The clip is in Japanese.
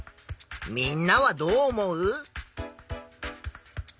みんなはどう思う？